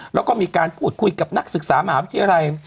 แล้วก็มีการพูดคุยกับนักศึกษามหาวิทยาลัย